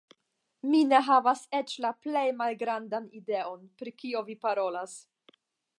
Mi ne havas eĉ la plej malgrandan ideon pri kio vi parolas.